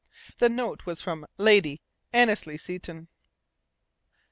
The note was from Lady Annesley Seton.